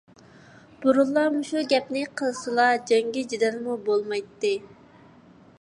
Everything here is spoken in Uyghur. بۇرۇنلا مۇشۇ گەپنى قىلسىلا جەڭگى - جېدەلمۇ بولمايتتى.